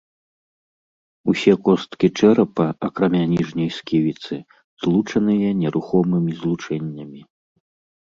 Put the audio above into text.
Усе косткі чэрапа, акрамя ніжняй сківіцы, злучаныя нерухомымі злучэннямі.